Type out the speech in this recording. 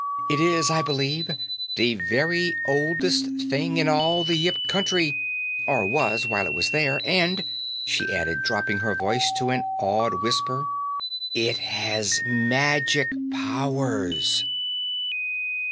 It is, I believe, the very oldest thing in all the Yip Country or was while it was there and," she added, dropping her voice to an awed whisper, "it has magic powers!"